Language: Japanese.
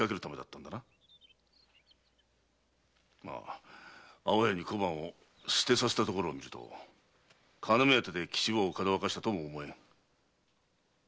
まあ安房屋に小判を捨てさせたところを見ると金目当てで吉坊をかどわかしたとも思えない。